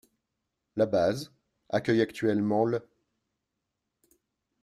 La base accueille actuellement l'.